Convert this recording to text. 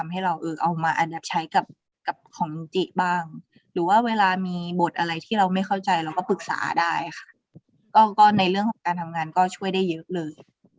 ก็เวลามีบทอะไรที่เราไม่เข้าใจเราก็ปรึกษาได้ค่ะก็ในเรื่องของการทำงานก็ช่วยได้เยอะเลย